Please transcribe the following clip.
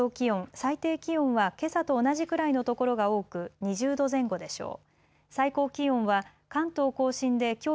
最低気温はけさと同じくらいの所が多く２０度前後でしょう。